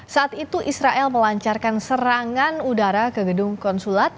saat itu israel melancarkan serangan udara ke gedung konsulat